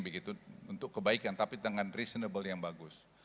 begitu untuk kebaikan tapi dengan reasonable yang bagus